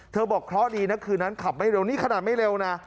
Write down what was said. บอกเคราะห์ดีนะคืนนั้นขับไม่เร็วนี่ขนาดไม่เร็วนะ